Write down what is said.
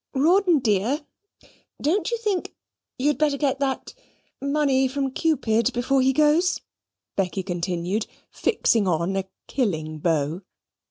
"Rawdon dear don't you think you'd better get that money from Cupid, before he goes?" Becky continued, fixing on a killing bow.